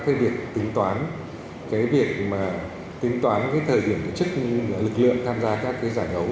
theo việc tính toán cái việc mà tính toán thời điểm của chức lực lượng tham gia các giải đấu